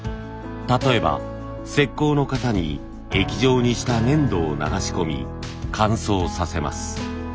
例えば石こうの型に液状にした粘土を流し込み乾燥させます。